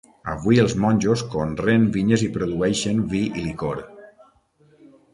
Avui els monjos conreen vinyes i produeixen vi i licor.